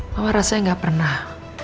mama rasanya gak pernah